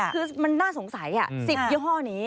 คือมันน่าสงสัย๑๐ยี่ห้อนี้